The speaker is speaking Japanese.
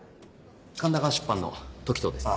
神田川出版の時任です。